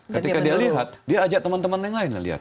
ketika dia lihat dia ajak teman teman yang lain